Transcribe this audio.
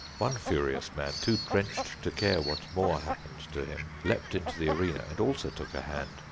One furious man, too drenched to care what more happened to him, leapt into the arena and also took a hand.